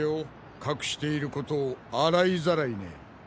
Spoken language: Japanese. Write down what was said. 隠していることを洗いざらいね。